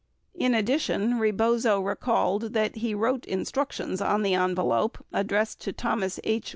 In addition, Rebozo recalled that he wrote instructions on the envelope addressed to Thomas H.